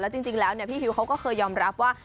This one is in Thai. จริงแล้วพี่ฮิวเขาก็เคยยอมรับว่า